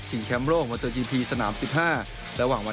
ที่แคมโลมอเตอร์จีพีสนาม๑๕ระหว่างวันที่๕ถึง๗ตุลาคมนี้